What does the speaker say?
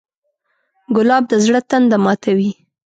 ګلاب د زړه تنده ماتوي.